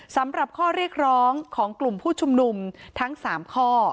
สำหรับข้อเรียกร้องของกลุ่มผู้ชุมนุมทั้ง๓ข้อ